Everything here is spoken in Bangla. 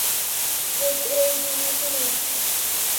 যে এই দুনিয়াতে নেই।